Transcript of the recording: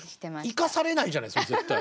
生かされないじゃないですか絶対。